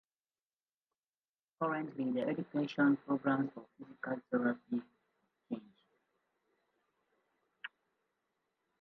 Currently the education programs for physical therapy have changed.